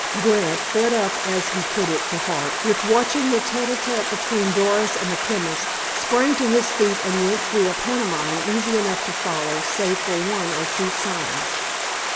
Grant, "fed up," as he put it to Hart, with watching the tête à tête between Doris and the chemist, sprang to his feet and went through a pantomime easy enough to follow save for one or two signs.